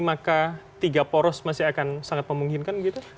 maka tiga poros masih akan sangat memungkinkan begitu